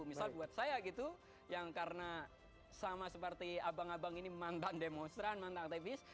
misal buat saya gitu yang karena sama seperti abang abang ini mantan demonstran mantan aktivis